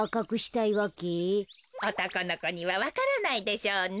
おとこのこにはわからないでしょうね。